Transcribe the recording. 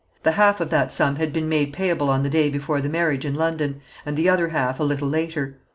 The half of that sum had been made payable on the day before the marriage in London, and the other half a little later.